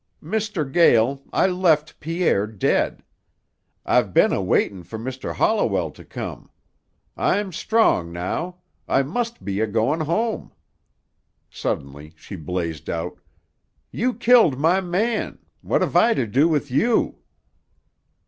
"Mr. Gael, I left Pierre dead. I've been a waitin' for Mr. Holliwell to come. I'm strong now. I must be a goin' home." Suddenly, she blazed out: "You killed my man. What hev I to do with you?"